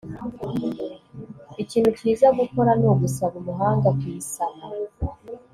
Ikintu cyiza gukora ni ugusaba umuhanga kuyisana